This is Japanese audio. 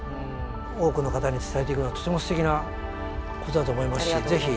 多くの方に伝えていくのはとてもすてきなことだと思いますしぜひ。